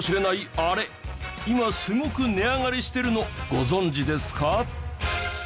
今すごく値上がりしてるのご存じですか？